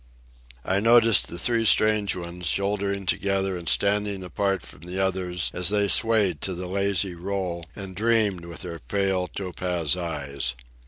I noticed the three strange ones, shouldering together and standing apart from the others as they swayed to the lazy roll and dreamed with their pale, topaz eyes.